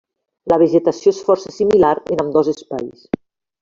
La vegetació és força similar en ambdós espais.